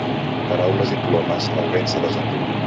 Paraules i plomes, el vent se les enduu.